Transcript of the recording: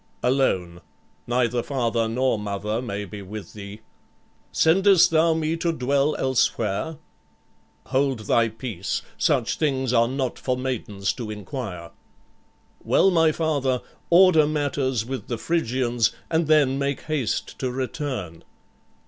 "Alone; neither father nor mother may be with thee." "Sendest thou me to dwell elsewhere?" "Hold thy peace: such things are not for maidens to inquire." "Well, my father, order matters with the Phrygians and then make haste to return."